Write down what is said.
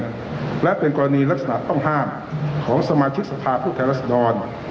การเมืองและเป็นกรณีลักษณะต้องห้ามของสมาชิกสภาพผู้แทนรัฐศิลป์อ่อน